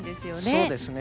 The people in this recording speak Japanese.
そうですね。